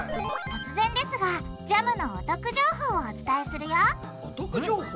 突然ですがジャムのお得情報をお伝えするよお得情報？